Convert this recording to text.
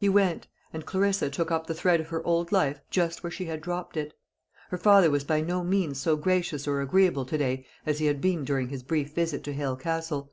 He went, and Clarissa took up the thread of her old life just where she had dropped it. Her father was by no means so gracious or agreeable to day as he had been during his brief visit to Hale Castle.